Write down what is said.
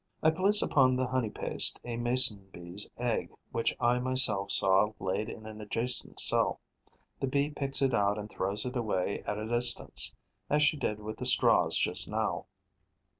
I place upon the honey paste a Mason bee's egg which I myself saw laid in an adjacent cell. The Bee picks it out and throws it away at a distance, as she did with the straws just now.